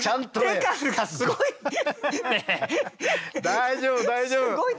大丈夫大丈夫！